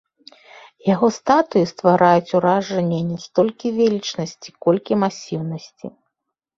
Яго статуі ствараюць уражанне не столькі велічнасці, колькі масіўнасці.